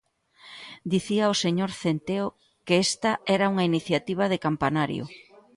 Dicía o señor Centeo que esta era unha iniciativa de campanario.